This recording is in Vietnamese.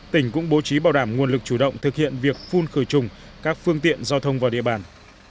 tỉnh cũng bố trí bảo đảm nguồn lực chủ động thực hiện việc phun khởi trùng các phương tiện giao thông vào địa bàn